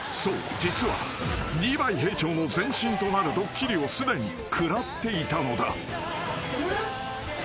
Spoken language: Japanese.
実はリヴァイ兵長の前身となるドッキリをすでに食らっていたのだ］えっ？